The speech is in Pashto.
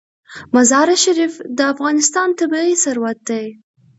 مزارشریف د افغانستان طبعي ثروت دی.